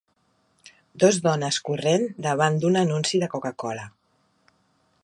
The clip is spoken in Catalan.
Dos dones corrent davant d'un anunci de Coca-Cola.